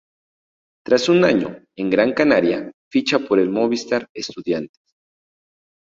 Tras un año en Gran Canaria ficha por el Movistar Estudiantes.